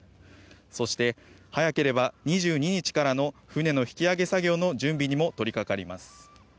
そして、早ければ２２日からの船の引き揚げ作業の準備にも取りかかります。